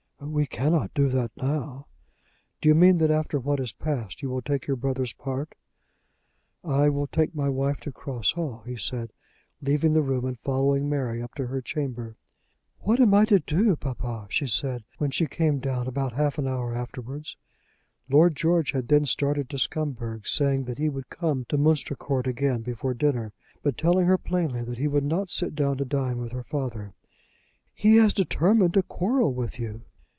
"We cannot do that now." "Do you mean that after what has passed you will take your brother's part?" "I will take my wife to Cross Hall," he said, leaving the room and following Mary up to her chamber. "What am I to do, papa?" she said when she came down about half an hour afterwards. Lord George had then started to Scumberg's, saying that he would come to Munster Court again before dinner, but telling her plainly that he would not sit down to dine with her father, "He has determined to quarrel with you."